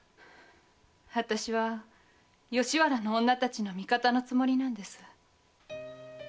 あたしは吉原の女たちの味方のつもりなんです。